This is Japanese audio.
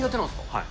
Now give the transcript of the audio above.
はい。